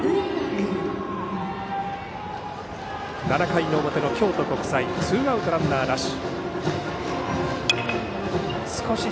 ７回の表の京都国際ツーアウト、ランナーなし。